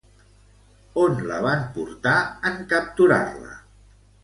On la van portar, en capturar-la?